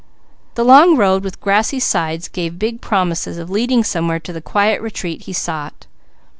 The long road with grassy sides gave big promises of leading somewhere to the quiet retreat he sought.